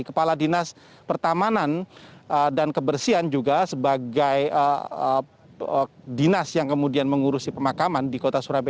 kepala dinas pertamanan dan kebersihan juga sebagai dinas yang kemudian mengurusi pemakaman di kota surabaya